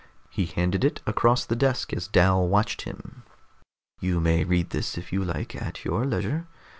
He handed it across the desk as Dal watched him. "You may read this if you like, at your leisure.